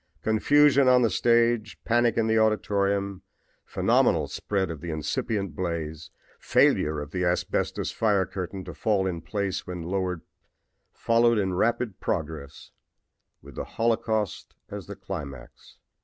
Confusion on the stage, panic in the auditorium, phenomenal spread of the incipient blaze, failure of the asbestos fire curtain to fall in place when lowered followed in rapid progress, with the holocaust as the climax."